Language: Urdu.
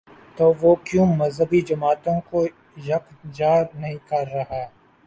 تو وہ کیوں ان مذہبی جماعتوں کو یک جا نہیں کر رہا؟